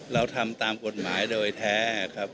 เราทำตามกฎหมายโดยแท้ครับ